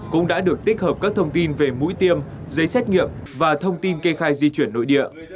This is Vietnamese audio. cũng đã được tích hợp các thông tin về mũi tiêm giấy xét nghiệm và thông tin kê khai di chuyển nội địa